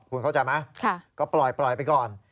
คุณเข้าใจไหมก็ปล่อยไปก่อน